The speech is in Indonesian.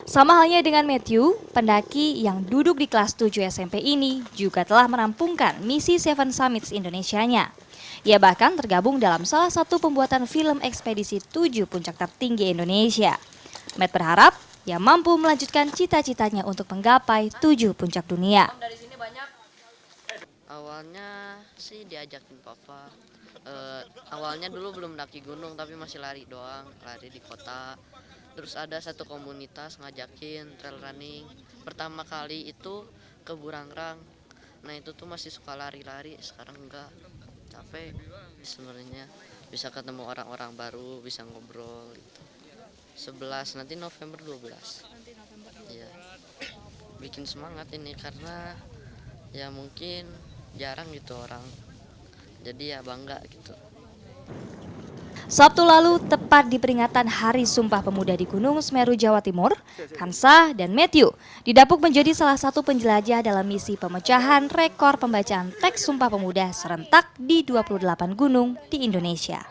sama halnya dengan matthew pendaki yang duduk di kelas tujuh smp ini juga telah merampungkan